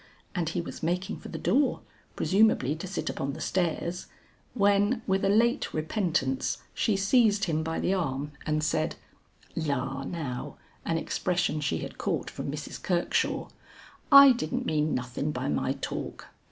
And he was making for the door, presumably to sit upon the stairs, when with a late repentance she seized him by the arm and said: "La now," an expression she had caught from Mrs. Kirkshaw, "I didn't mean nothin' by my talk.